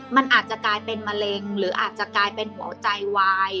มันอาจจะกลายเป็นมะเร็งหรืออาจจะกลายเป็นหัวใจวาย